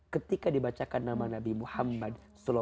ketika dibacakan nama nabi muhammad